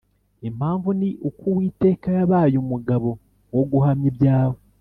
Impamvu ni uko Uwiteka yabaye umugabo wo guhamya ibyawe